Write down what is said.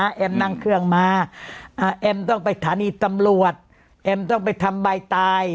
แอมนั่งเครื่องมาแอมต้องไปฐานีตำรวจแอมต้องไปทำใบตาย